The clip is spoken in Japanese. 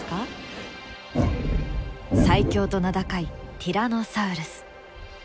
最強と名高いティラノサウルス。